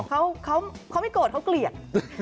เขาไม่โกรธเขาเกลียด